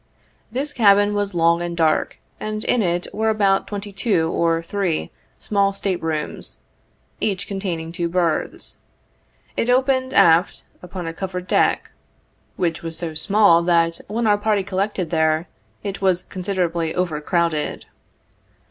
This cabin was long and dark, and in it there were about twenty two or three small state rooms, each containing two berths. It opened, aft, upon a covered deck, which 1 48 was so small that, when our party collected there, it was considerably over crowded.